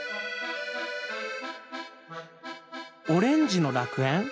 オレンジの楽園？